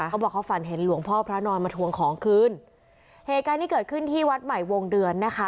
เขาบอกเขาฝันเห็นหลวงพ่อพระนอนมาทวงของคืนเหตุการณ์ที่เกิดขึ้นที่วัดใหม่วงเดือนนะคะ